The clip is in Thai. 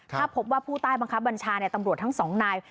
ถ้าพบว่าผู้ใต้บังคับบัญชาตำรวจทั้งสองนาย